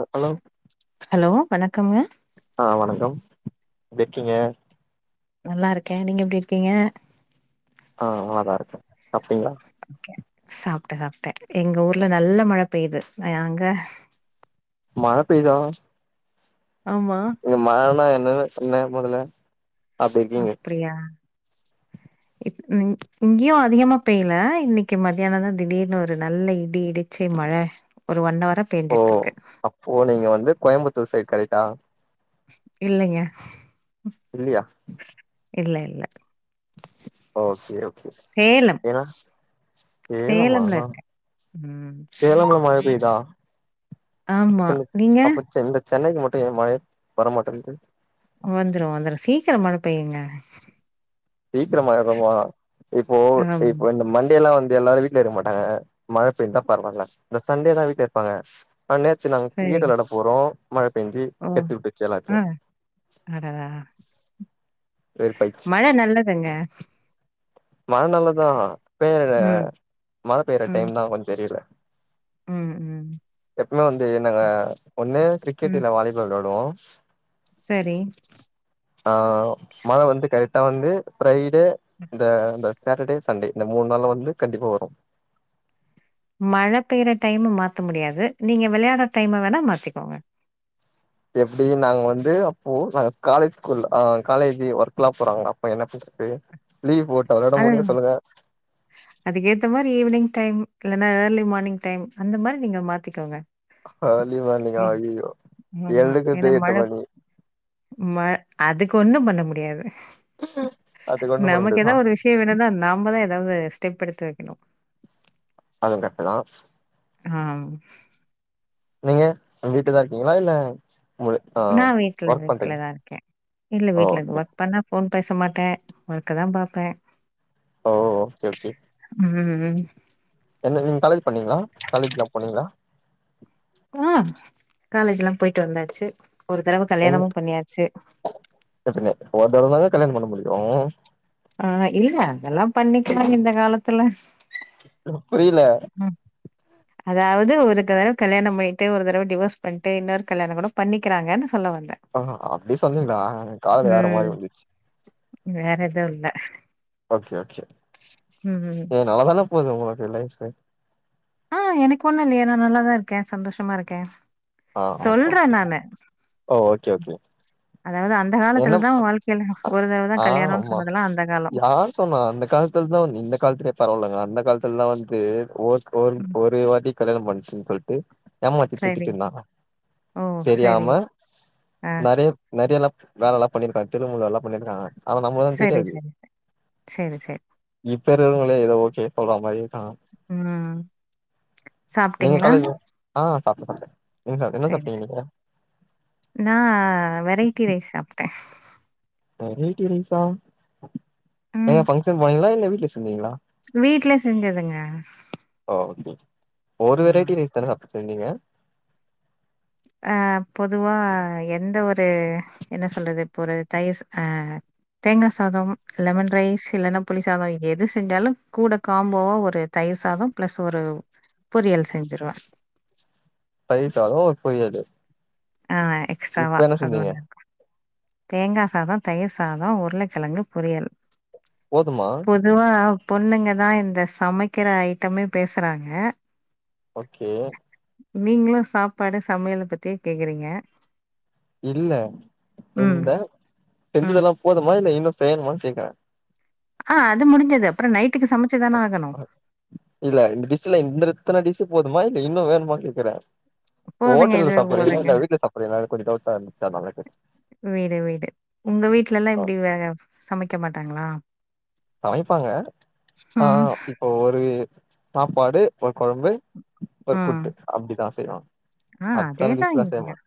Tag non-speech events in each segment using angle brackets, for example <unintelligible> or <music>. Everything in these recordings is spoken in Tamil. அ கலோ ஹலோ வணக்கம்க ஆ வணக்கம் எப்டி இருக்கீங்க நல்லா இருக்கே நீங்க எப்டி இருக்கீங்க ஆ நல்லாதா இருக்கே சாப்டிங்களா ஓகே சாப்ட்டே சாப்ட்டே எங்க ஊர்ல நல்ல மழ பெய்யுது அங்க மழ பெயிதா ஆம்மா இங்க மழனா என்னனு செம்மயா போதுல அப்டியா இப்டிதங் இங்கேயு அதிகமா பெய்யல இன்னைக்கி மத்யானோ தா திடீர்னு ஒரு நல்ல இடி இடிச்சு மழ ஒரு ஒன்ன வரா பேஞ்சிட் இருக்கு ஓ நீங்க வந்து கோயம்புத்தூர் சைட் கரெக்டா இல்லைங்க ரெடியா இல்ல இல்ல ஓகே ஓகே சேலம் ஏனா ஏனம்மா சேலம்ல இருக்கே ம் ஆமா நீங்க சென்னைல மட்டு ஏ மழையே <unintelligible> வரமாட்டிங்து வந்துரு வந்துரு சீக்கரோ மழ பெயுங்க சீக்கிரமா இருக்குமோ இப்போ ஆம் இப்போ இந்த மண்டே ல்லா வந்து எல்லாரு வீட்லே இருக்க மாட்டாங்க மழ பெஞ்சா பரவால்ல இந்த சண்டே தா வீட்ல இருப்பாங்க நா நேத் சரிங்க வீட்ட போறோ மழபெஞ்சி கெத்து விட்டுச்செல்லாத்தயு அடா வெறுப்பாயிச்சு மழ நல்லதுங்க மழை நலதா பெயற ம் மழ பெய்யற ம் டைம் தா கொஞ்சோ தெரியல ம் ம் எப்பவுமே வந்து நாங்க சரி. ஒண்ணு கிரிக்கெட் இல்ல வாலிபால் வெளாடுவோ செரி ஆ மழ வந்து கரெக்டா வந்து ஃப்ரைடே இந்த சேட்டடே சண்டே இந்த மூணு நாளா வந்து கண்டிப்பா வரு மழ பெயற டைம் மாத்த முடியாது நீங்க விளையாடுற டைம் வேணா மாத்திக்கோங்க எப்டியு நாங்க வந்து அப்போ நா காலேஜ் ஸ்கூல் அ காலேஜி ஒர்க்க் எல்லா போறாங்களா அப்ப என்ன பஸ்து லீவ் போட்டு அவ்ளோட அது முடிய சொல்லுங்க அதுக்கேத்த மாரி ஈவினிங் டைம் இல்லைன்னா ஏர்லி மார்னிங் டைம் அந்த மாரி நீங்க மாத்திக்கங்க பகல்லியு வேலயா அயயோ ஆமா. ஏழு கட்ட ஏன்னா எட்டு மழை மணி ம அதுக்கு ஒண்ணு பண்ண முடியாது அதுக்கு ஒண்ணு பண்ண நமக்கு முடியுமா ஏதாவ ஒரு விஷ் இடிவிலதா நம்மலே ஏதாவது ஸ்டெப் எடுத்து வெக்கணு அது கட் தா ஆம் நீங்க நம்ம வீட்டுலதா இருக்கீங்களா இல்ல முழு ஆ நா வீட்ல ஒர்க் பண்றீங்க வெட்டியாதா இருக்கே இல்ல ஓ வீட்டுல இர்ந் ஓகே ஒர்க் பண்ணா ஃபோன் பேச மாட்டே ஒர்க்க தா பாப்பே ஓ ஓ ஓக்கே ஓகே ம் என்ன நீங்க காலேஜ் பண்ணீங்களா காலேஜ்லாம் போனீங்களா ஆ காலேஜ்ல்லா போயிட்டு வந்தாச்சு ஒரு தடவ கல்யாணமும் பண்ணியாச்சு எதுங்க ஒரு தடவதா கல்யாணோ பண்ண முடியு ஆ இல்ல அதெல்லா பண்ணிக்கிறாங்க இந்த காலத்துல புரியல ம் அதாவது ஒரு தரவ கல்யாணம் பண்ணிட்டு ஒரு தரவ டிவோர்ஸ் பண்ணிட்டு இன்னொரு கல்யாணோ கூட பண்ணிக்கிறாங்கன்னு சொல்ல வந்தே ஆஹான் அப்டி சொன்னீங்களா காதுல வேற ம் மாதிரி விழுந்துச்சு வேற எதுவு இல்ல ஓகே ஓகே ம் ஏ நல்லாதான போகுது ஒனக்கு லைஃபு ஆ எனக்கு ஒண்ணு இல்லையே நான் நல்லாாதான் இருக்கே சந்தோஷமா இருக்கே ஆ ஓகே சொல்றே ஓகே நானு ஓ ஓகே ஓகே அதாவ்து அந்த என்ன காலத்துல தா வாழ்க்கையில ஒரு தடவ தான் ஆ கல்யாணோன்னு ஆமா சொல்லறதுலாம் அந்த காலோ யார் சொன்னா அந்த காலத்துல தான் இந்த காலத்துலயே பரவாயில்லங்க அந்த காலத்துலாம் வந்து ஓக் ஒன் ஒரு வாட்டி கல்யாணோ பண்ணுச்சுன்னு சொல்லிட்டு ஏமாத்திட் போய்ட்டு சரி ட்டுன்னா ஓ சரி தெரியாம ஆ நறையா நிறையல்லா வேல எல்லா பண்ணிருக்காங் தில்லுமுல் எல்லா பண்ணிருக்காங் சேரி சேரிங்க சேரி சே இப்ப இருவங்களே ஏதோ ஓகே சொல்ற மாரி தா ம் நீங்க சாப்ட்டீங்களா காலேஜ் ஆ சாப்ட்டே சாப்ட்டே நீங்க சாப்டிங் என்ன சரி சாப்பிட்டீங்க நீங்க நா வெரைட்டி ரைஸ் சாப்ட்டே வேரைட்டி ரைசா எங்க ம் பங்க்ஷன் போனீங்களா இல்ல வீட்ல செஞ்சீங்களா வீட்ல செஞ்சதுங்க ஓகே ஒரு ம் வெரைட்டி ரைஸ் தான அப்ப செஞ்சீங்க அ பொதுவா எந்த ஒரு என்ன சொல்றது இப்ப ஒரு தயிர் ஆ தேங்கா சாதம் லெமன் ரைஸ் இல்லன்னா புளி சாதம் எது செஞ்சாலு கூட காம்போவா ஒரு தயிர் சாதம் ப்ளஸ் ஒரு பொரியல் செஞ்சுருவே தயிர் சாதம் ஒரு பொரியல் ஆ எக்ஸ்ட்ராவா அது செஞ்சீங்க ஒண் தேங்கா சாதோ தயிர் சாதோ உருளைக்கிழங்கு பொரியல் போதுமா பொதுவா பொண்ணுங்க தா இந்த சமக்கிற ஐட்டமே பேசுறாங்க ஓக்கே நீங்களு சாப்பாடு சமையல பத்தியே கேக்குறீங்க இல்ல ம் இந்த ம் செஞ்சதெல்லா போதுமா இல்ல இன்னு செய்யணுமா கேக்குறே ஹா அது முடிஞ்சது அப்றோ நைட்டுக்கு சமச்சுதான ஆகணு இல்ல டிஷ்ல இந்த இத்தன டிஷ்சு போதுமா இல்ல இன்னு வேணுமா கேக்குறே போதுங்க ஓட்டல்ல இதுவே சாப்டுறீங்களா போதுங்க இல்ல வீட்ல சாப்டுறீங்களா கொஞ்சோ டவுட்டா இருந்துச்சு அதனால தா கேட்டே வீடு வீடு உங்க வீட்டு்ல எல்லா ஆ இப்புடி வேற சமைக்க மாட்டாங்களா சமைப்பாங்க ஆ ம் இப்போ ஒரு சாப்பாடு ஒரு கொழம்பு ஒரு ம். குட்டு அப்புடி தா செய்வாங்க ஆ அத்தன டிஷ்ஸு அதேதான் ல்லா செய்ய இங்கயும். மாட்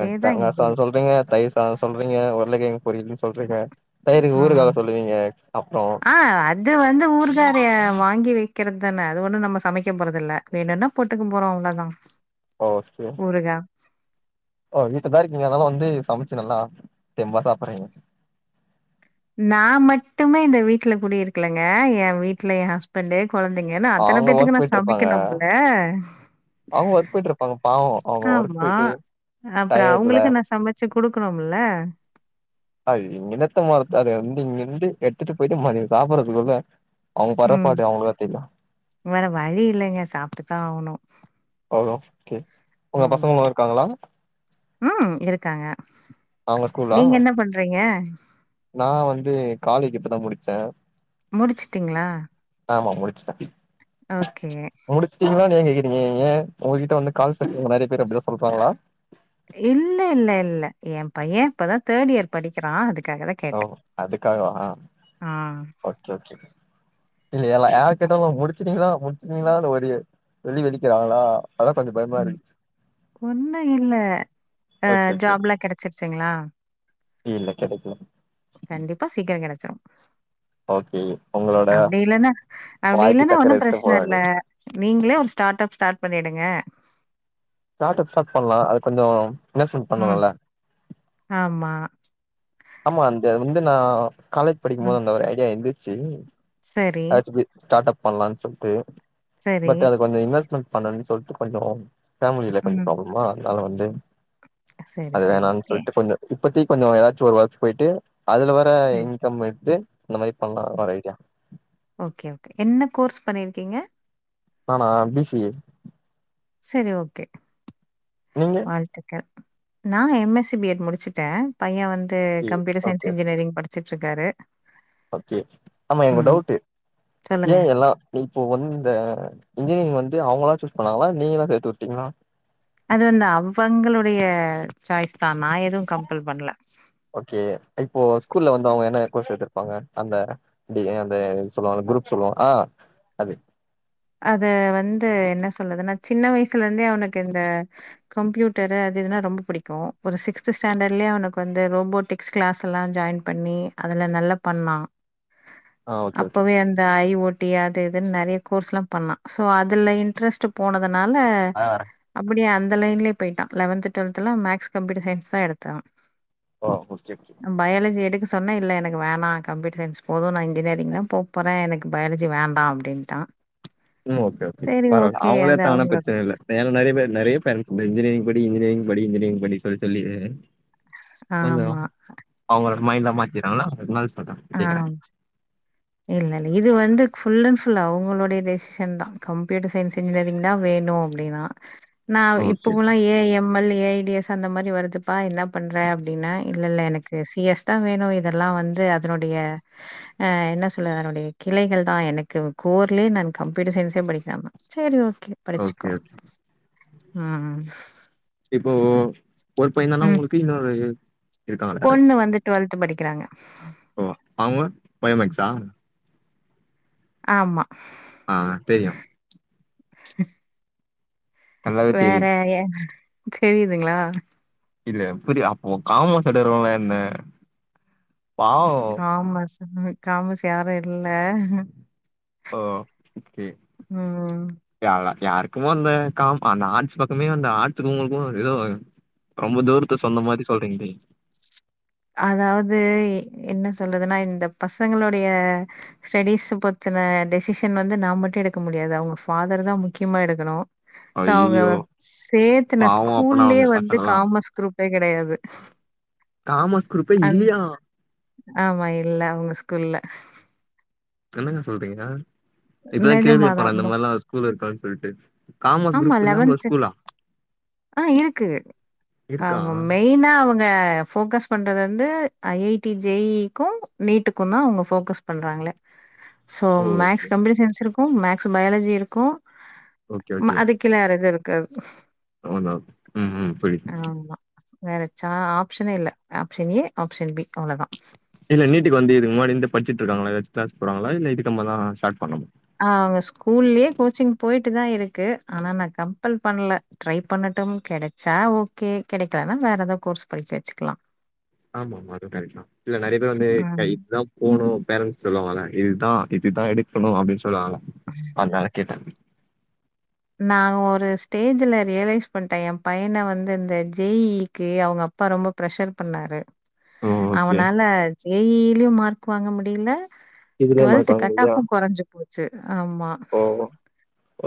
ஏ தேங்கா சாதோ இங்கயும். சொல்றீங்க தயிர் சாதோ சொல்றீங்க உருளக்கெழங் பொறியலுன்னு சொல்றீங்க தயிருக்கு ஆ ஊறுகால்லா சொல்வீங்க அப்றோ ஆ அது வந்து ஊற்கா அதைய வாங்கி வைக்கிறது தான அது ஒண்ணு நம்ம சமைக்க போறது இல்ல வேணுன்னா போட்டுக்க போறோ அவ்ள்தா ஒகே புரிதா ஓ வீட்டுலதா இருக்கீங்க அதுனால வந்து சமைச்சு நல்லா தெம்பா சாப்பறீங்க நா மட்டுமே இந்த வீட்டுல கூடியிருக்கலங்க எ வீட்டுல எ ஹஸ்பண்டு கொழந்தைங்கன்னு அத்தன அவங்க பேத்துக்கு நா சமைக்கணும்மில்ல அவுங்க ஒர்க் போயிட்டு இருப்பாங்க பாவோ அவுங்க ஒர்க் ஆமா. போயிட்டு டயர்டுல்ல ச்சு குடுக்கணுமில்ல அது இங்கினேத்து எடுத்து மரத்து அது வந்து இங்கிருந்து எடுத்துட்டு போயிட்டு மதியோ சாப்புறதுக்குள்ள அவ்ங்க ம். பரப்பாடு அவுங்களுக்க தெரியு வேற வழி இல்லங்க சாப்ட்டு தா ஆவணு ஆல் ஓகே உங்க பசங்க நல்லா இருக்காங்களா ம் இருக்காங்க அவங்க ஸ்கூலா நீங்க என்ன பண்றீங்க நா வந்து காலேஜ் இப்பதா முடிச்சே முடிச்சுட்டிங்களா ஆமா முடிச்சுட்டே ஓகே முடிச்சிட்டீங்களானு ஏ கேக்குறீங்க ஏ உங்ககிட்ட வந்து கால் பேசுற நெறைய பேர் அப்புடிதா சொல்றாங்களா இல்ல இல்ல இல்ல எ பைய இப்பதா தேர்ட் இயர் படிக்கிறா அதுக்காக தா ஓ அதுக்காவா ஓ கே ஓகே இல்ல எல்லா யார கேட்டாலு முடிச்சுட்டீங்களா முடிச்சுட்டீங்களானு ஒரு வெடி வெடிக்கிறாங்களா அதா கொஞ்ச பயமா இருன்சு ஒன்னு இல்ல அ ஓகே ஓகே ஜாப்ல்லா கெடச்சிருச்சிங்களா இல்ல கெடக்கில கண்டிப்பா சீக்கிர கெடசிரு ஓகே உங்களோட அப்டி இல்லன்னா அப்டி வாய்க்கு இல்லனா ஒன்னு சக்கர எடுத்து பிரச்சனை போட இல்ல வேண்டியது நீங்களே ஒரு ஸ்டார்ட்ப் ஸ்டார்ட் பண்ணிடுங்க ஸ்டாட்அப் ஸ்டார்ட் பண்ணலா அது கொஞ்சோ இன்வெஸ்ட்மென்ட் ம். பண்ணனுல்ல ஆமா ஆமா அந்த வந்து நா காலேஜ் படிக்கும்போது அந்த ஒரு ஐடியா இருந்துச்சு செரி வி ஸ்டாட்அப் பண்ணலானு சொல்லிட்டு சரி. பட் அத கொஞ்ச இன்வெஸ்ட்மெண்ட் பண்ணனு சொல்ட்டு கொஞ்சோ பேமிலியில கொஞ்ச ம். ப்ராப்ளமா அதனால வந்து சரி, அது சரி. வேணான்னு ஏ சொல்ட்டு கொஞ்சோ இப்பத்திக் கொஞ்ச ஏதாச்சு ஒரு ஒர்க் போயிட்டு அதுல வர சரி, இன்கம் எடுத்து இந்த மாரி பண்ணலானு சரி. ஒரு ஐடியா ஓகே ஓகே என்ன கோர்ஸ் பண்ணியிருக்கீங்க நானா பி சி ஏ செரி ஓகே நீங்க வாழ் த்துக்கள் நா M S C B Ed முடிச்சட்டே பைய வந்து B A computer science okay engineering படி ச்சிட்டு இருக்காரு ஓகே ஆமா எங்க டவுட்டு ஏ சொல்லுங்க. எல்லா நீ இப்போ வந்த இன்ஜினியரிங் வந்து அவங்களா சூஸ் பண்ணாங்களா நீங்களா சேத்து வுட்டீங்களா அது வந்து அவங்களுடைய சாய்ஸ் தா நா எதுவு கம்பல் பண்ணல ஓகே இப்போ ஸ்கூல்ல வந்து அவங்க என்ன கோர்ஸ் எத்துருப்பாங்க அந்த டி அ பே சொல்லுவாங்ள குரூப் சொல்லுவா ஆ அது அது வந்து என்ன சொல்றது நா சின்ன வயசுல இருந்தே அவனுக்கு இந்த கம்ப்யூட்டரு அது இதுனா ரொம்ப புடிக்கு ஒரு சிக்ஸ்த்து ஸ்டாண்டர்லே அவனுக்கு வந்து ரோபோட்டிக் ஸ் கிளாஸ் எல்லா ஜாயின் பண்ணி அதுல நல்ல பண்ணா ஆ ஓகே ஓகே அப்பவே அந்த ஐ ஓ டி அது இதுன் நறைய கோர்ஸ்ல்லா பண்ணா சோ அதுல இன்ட்ரெஸ்ட்டு போனதுனால அதா வரே அப்புடி அந்த லைன்லே போயிட்டா லவன்த்து டுவெல்த்துலா மேக்ஸ் கம்ப்யூட்டர் சயஸ் தா எடுத்தா அ ஓகே ஓகே பயாலஜி எடுக்க சொன்ன இல்ல எனக்கு வேணா கம்ப்யூட்டர் சயின்ஸ் போது நா இன்ஜினியரிங் தா போற எனக் பயாலஜி வேண்டா அப்டின்ட்டா ம் ஓகே ஓகே பறவால அவுங்களே அது எத்தாங்னா அவங்களோட பிரச்சன இல்ல <unintelligible> நறைய பேர் நறைய பேர் இந்த இன்ஜின்யரிங் படி இன்ஜினியரிங் படி இன்ஜினியரிங் படி சொல்லி சொல்லியே கொஞ்சோ ஆமா. அவுங்களோட மைண்டாலா மாத்திறாங்களா அதனால சொல்ற ஆ கேக்கற இல்ல இல்ல இது வந்து ஃபுல் அண் ஃபுல் அவுங்களுடய டெசிஷன்தா கம்ப்யூட்டர் சயன்ஸ் இன்ஜினிய ரிங் தா வேணு அப்டினா நா ஓகே இப்பக்குலா A M L A I D S அந்த மாரி வருதுப்பா என்ன பண்ற அப்டின்ன இல்ல இல்ல எனக்கு சி எஸ்தா வேணு இதெல்லா வந்து இதனுடைய அ என்ன சொ ல்ல அதனுடைய கிளைகள் தா எனக்கு கோர்லே நான் கம்ப்யூட்டர் சயின்ஸே படிக்காம சேரி ஓகே படிச்சுக்கோ ஓகே ம் ம் இப்போ ஒரு பையன் தானா ம். உங்களுக்கு இன்னொரு இருக்காங்களா பொண்ணு யாராச்சு வந்து டுவெல்த்து படிக்கிறாங்க ஓ அவுங்க பயோ மேக்ஸ்ஸா ஆமா ஆ தெரியு நல்லாவே வேற தெரியுது எ தெரியுதுங்ளா இல்ல புரிய அப்போ காமஸ் எடுக்கறவுங்களா என்ன பாவோ ஆமா சார் காமஸ் யாரு இல்ல ஓகே ம் ம் யாரா யாருக்குமோ அந்த காம் அந்த ஆட்ஸ் பக்கமே அந்த ஆட்ஸுக்கு உங்களுக்கு எதோ ரொம்ப தூரத்து சொந்தோ மாதி சொல்றீங்தி அதாவது என்ன சொல்றதுன்னா இந்த பசங்களுடைய ஸ்டெடிஸ் பத்தன டெஷிஷன் வந்து நா மட்டு எடுக்க முடியாது அவுங்க ஃபாதர் தா முக்கியமா எடுக்கணு சோ அவுங்க ஐயயோ சேத்துன பாவோ அப்பனா ஸ்கூல்லே அவங்க வந்து பசங்கல்லா காமஸ் குரூப்பே கடையாது காமஸ் குருப்பே இல்லையா ஆமா இல்ல அவுங்க ஸ்கூல்ல என்னங்க சொல்றீங்க இப்பதா நிஜமா கேள்வியே பட்ற தான். இந்த மாரிலா ஸ்கூல் இருக்கான் சொல்ட்டு காமஸ் ஆமா குரூப் இல்லாம ஒரு ஸ்கூல்லா ஆ இருக்கு இருக்கா அவுங்க மெய்னா அவுங்க ஃபோக்கஸ் பண்றது வந்து I I T J E இக்கு நீட்டுக்கு தா அவுங்க ஃபோக்கஸ் பண்றாங்களே சோ ஓ மேக்ஸ் ஓகே கம்ப்யூட்டர் சயின்ஸ் இருக்கு மேக்ஸ்ஸு பையாலஜி இருக்கு ஓகே ம் அதுக்கு கிழ வேற எது இருக்காது ஆனா ம் ம் புரியுது ஆமா. வேற சா ஆப்ஷனே இல்ல ஆப்ஷன் ஏ ஆப்ஷன் பி அவ்ளோதா இல்ல நீட்டுக்கு வந்து இதுகு முன்னாடிந்து படிச்சிட்டு இருக்காங்களா எதாச்சுயு கிளாஸ் போறாங்களா இல்ல இதுக்கப்றம் தா ஸார்ட் பண்ணணு ஆ அவுங்க ஸ்கூல்லயே கோச்சிங் போயிட்டு தா இருக்கு ஆனா நா கம்பல் பண்ணல ட்ரை பண்ணட்டும் கிடைச்சா ஓகே கிடைக்கலனா வேற ஏதா கோர்ஸ் படிக்க வச்சுக்கலா ஆமா ஆமா அதும் கரைக்ட்டு தா இல்ல நெறைய பேர் வந்து ம். இதுதா போகணு பேரண்ட்ஸ் சொல்லுவாங்கள இதுதா இதுதா எடுக்கணு அப்டின்னு சொல்லுவாங்கள அதூனால கேட்டே நா ஒரு ஸ்டேஜ்ல ரியலைஸ் பண்ணிட்டே ஏ பையன வந்து இந்த ஜேஇக்கு அவுங்க அப் பா ரொம்ப ப்ரெஷர் பண்ணாரு ஓ ஓகே அவனால ஜேஇலையு மார்க் வாங்க முடில இதுலயே டுவெல்த் மார்க் வாங்க கட் முடியா ஆஃபு கொறஞ்சு போச்சு ஆமா ஓ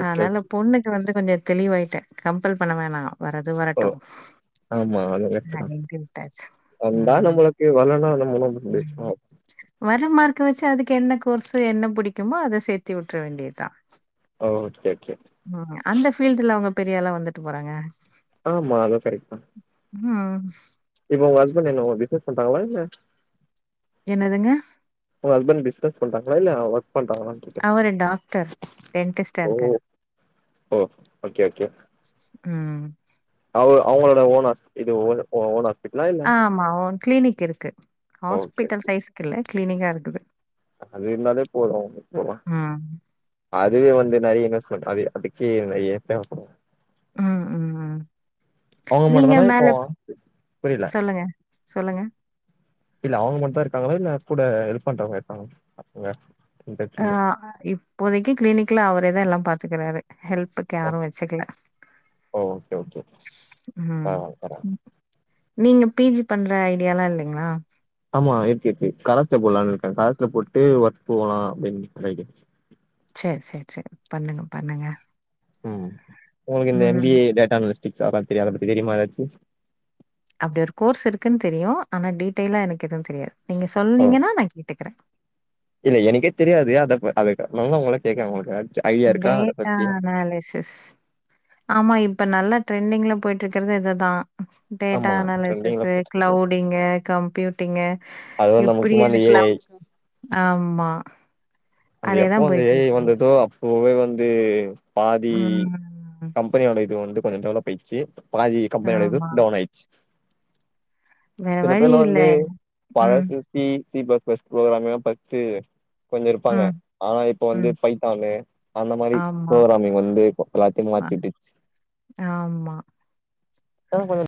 ஓகே அதுனால ஓகே பொண்ணுக்கு வந்து கொஞ்சோ தெளிவாயிட்டே கம்பல் பண்ண வேணா வறது வரட்டு ஓ ஆமா அது கரெக்ட் அப்டிட்டு விட்டாச்சு ம் வர்லன்னா எதும் பண்ண முடியாது ம். ஆ வர மார்க் வச்சு அதுக்கு என்ன கோர்ஸ் என்ன புடிக்குமோ அதை சேர்த்தி விட்டுற வேண்டியதுதா ஓ சேரி சேரி ம் அந்த பீல்டுல அவுங்க பெரிய ஆளா வந்துட்டு போறாங்க ஆமா அது கரைட்டு தா ஆ இப்ப உங்க ஹஸ்பன்ட் என்ன ஒ பிசினஸ் பண்றாங்களா இல்ல என்னதுங்க உங்க ஹஸ்பண்ட் பிஸ்னஸ் பண்றாங்களா இல்ல ஒர்க் பண்றாங்களா அவரு டாக்டர் டென்டிஸ்டா ஓ இருக்காரு ஓ ஓகே ஓகே ம் அவ அவங்களோட ஓனர் இது ஓ ஓனர் ஆ ஆமா ஒன் கிளினிக் இருக்கு ஓகே ஹாஸ்பிட்டல் ஓகே சைஸக்கு இல்ல கிளீனிக்கா இருக்குது அது இருந்தாலே போது உ போலா ம். அதுவே வந்து நெறைய இன்வெஸ்ட்மெண்ட் அது அதுக்கேப்ப இருக்கனு ம், ம், ம். அவுங்க மட்டு நீங்க தானா இப்போ மேல புரில சொல்லுங்க, சொல்லுங்க இல்ல அவுங்க மட்டு தா இருக்காங்களா இல்ல கூட ஹெல்ப் பண்றவங்க இருக்காங்கள அங்க ஆ இப்போதைக்கு கிளினிக்ல அவரேதா எல்லா பாத்துக்கிறாரு ஹெல்ப் ஓ காரு வச்சக்கல ஓகே ஓகே ம் பரவால்ல பரவால்ல நீங்க பிஜி பண்ற ஐடியாலா இல்லைங்களா ஆமா இருக்கு இருக்கு கரஸ்ல போடலாம்னு இருக்கே கரஸ்ல போட்டு வத்து ஓர்க் போகலா அப்டின்னு நெனைக்கற சேரி சேரி சேரி பண்ணுங்க பண்ணுங்க ம் உங்களுக்கு இந்த ம். எம்பிஏ டேட்டா அனலிஸ்டிக்ஸ் அதாம் தெரியு அத பத்தி தெரியுமா எதாச்சு அப்டி ஒரு கோர்ஸ் இருக்குன்னு தெரியு ஆனா டீட்டெயிலா எனக்கு எதுவு தெரியாது நீங்க ஓ சொன்னீங்கன்னா நா கேட்டுக்கிறே இல்ல எனக்கே தெரியாது அத அத நா உங்கள கேக்கே உங்கள்ட டேட்டா அனாலிசிஸ் ஆமா இப்ப நல்லா ட்ரெண்டிங்ல போயிட்டு இருக்கிறது இதுதா டேட்டா ஆமா ட்ரெண்டிங்ல அனாலைசஸு போயிட்ருக்கு கிளவுடிங்கு கம்ப்யூட் டிங்கு அது வந்து இப்டி முக்கியமா அந்த ஏ எனக்கு ஐ ஆமா அதுல அதே எப்போ தான் வந்து ஏ ஐ போயிட்டுருக்கு. வந்ததோ ஒவே வந்து பாதி ம். கம்பெனியோட இது வந்து கொஞ்சோ டெவலப் ஆயிடுச்சு பாதி கம்பனியோடது ஆமா. டவுன்னாயிடுச்சு வேற சில வழி பேர்லா இல்ல. வந்து ம், பழசு பி இ சி ப்ரோகராம் எல்லா பாத்து கொஞ்சோ இருப்பாங்க ம், ஆனா இப்ப வந்து ம். பைத்தானு அந்த மாரி ஆமா. ப்ரோகராமிங் வந்து இப்போ எல்லாத்தையு அ மாத்திட்டுச்சு ஆமா தா கொஞ்சோ